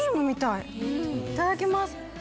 いただきます。